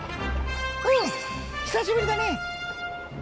「うん久しぶりだね。